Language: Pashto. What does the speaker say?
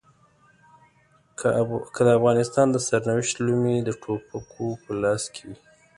که د افغانستان د سرنوشت لومې د ټوپکو په لاس کې وي.